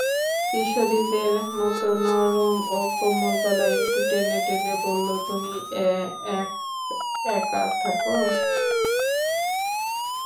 কিশোরীদের মতো নরম ও কোমল গলায় একটু টেনে-টেনে বলল, তুমি এক-একা থাক।